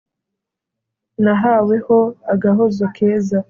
nahaweho agahozo keza